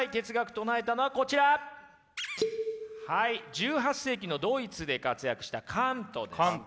１８世紀のドイツで活躍したカントです。